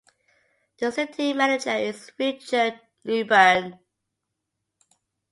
The city manager is Richard Newburn.